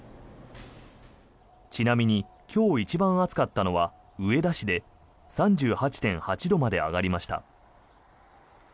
ちなみに今日一番暑かったのは上田市で３８．８度まで上がりました。